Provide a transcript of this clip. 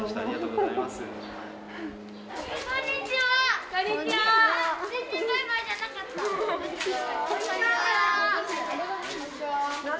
こんにちは。